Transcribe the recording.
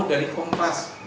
oh dari kompas